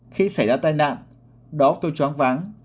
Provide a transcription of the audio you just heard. khi xảy ra tai nạn đó tôi chóng váng